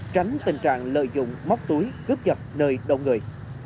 tránh tình trạng lợi dụng móc túi cướp giật nơi đông người